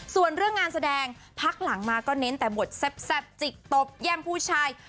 ส่วนเรื่องงานแสดงพักหลังมาก็เน้นแต่บทแซ่บจิกตบแย่มผู้ชาย